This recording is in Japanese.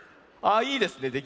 ああいいですね。